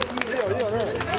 いいよね？